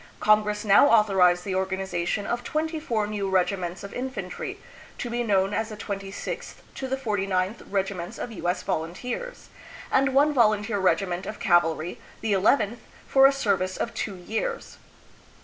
Congress now authorized the organization of twenty four new regiments of infantry, to be known as the 26th to the 49th Regi ments of U. S. Volunteers, and 1 one volunteer regiment of cavalry, the llth, for a service of two years.